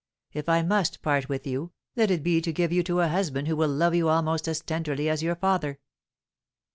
If I must part with you, let it be to give you to a husband who will love you almost as tenderly as your father."